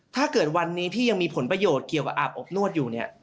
ถ้าเกิดวันนี้ที่ยังมีผลประโยชน์เกี่ยวกับอาบอบนวดอยู่เนี่ย